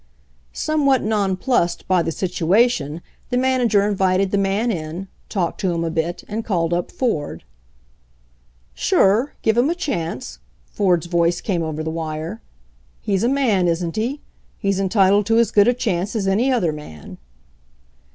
Somewhat nonplussed by the situation the man ager invited the man in, talked to him a bit, and ' called up Ford. "Sure, give him a chance," Ford's voice came over the wire. "He's a man, isn't he? He's en titled to as good a chance as any other man."